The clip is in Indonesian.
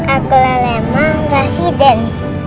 aku lemah residen